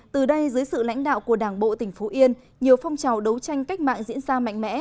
từ đây dưới sự lãnh đạo của đảng bộ tỉnh phú yên nhiều phong trào đấu tranh cách mạng diễn ra mạnh mẽ